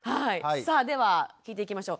さあでは聞いていきましょう。